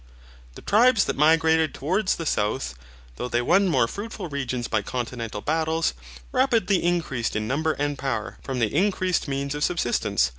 The tribes that migrated towards the South, though they won these more fruitful regions by continual battles, rapidly increased in number and power, from the increased means of subsistence.